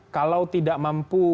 kalau tidak mampu